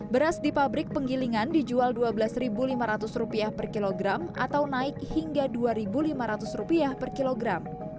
beras di pabrik penggilingan dijual rp dua belas lima ratus per kilogram atau naik hingga rp dua lima ratus per kilogram